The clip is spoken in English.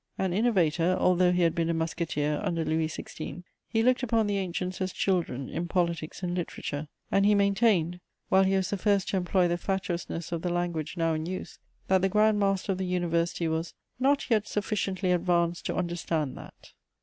An innovator, although he had been a musketeer under Louis XVI., he looked upon the ancients as children in politics and literature; and he maintained, while he was the first to employ the fatuousness of the language now in use, that the Grand master of the University was "not yet sufficiently advanced to understand that."